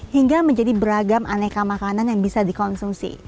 hingga menjadi beragam aneka makanan yang bisa dikonsumsi